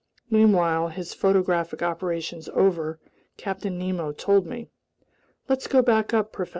Meanwhile, his photographic operations over, Captain Nemo told me: "Let's go back up, professor.